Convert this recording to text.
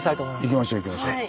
行きましょう行きましょう。